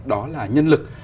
đó là nhân lực